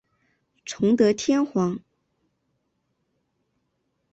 崇德天皇。